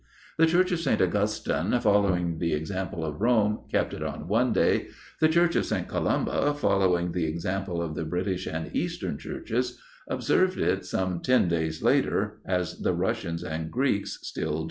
The Church of St. Augustine, following the example of Rome, kept it on one day; the Church of St. Columba, following the example of the British and Eastern Churches, observed it some ten days later, as the Russians and Greeks do still.